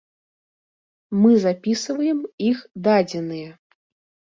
Мы запісваем іх дадзеныя.